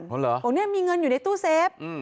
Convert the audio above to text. อ๋อเหรอตรงเนี้ยมีเงินอยู่ในตู้เซฟอืม